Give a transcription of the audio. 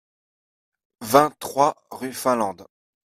vingt-trois rue Falande